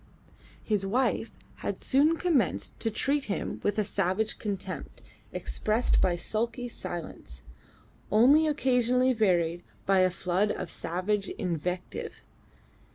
His wife had soon commenced to treat him with a savage contempt expressed by sulky silence, only occasionally varied by a flood of savage invective.